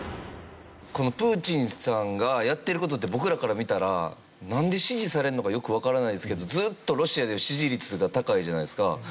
このプーチンさんがやってる事って僕らから見たらなんで支持されるのかよくわからないんですけどずっとロシアでの支持率が高いじゃないですか。